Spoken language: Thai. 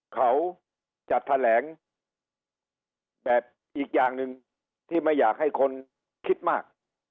เขาจะแถลงแบบอีกอย่างหนึ่งที่ไม่อยากให้คนคิดมาก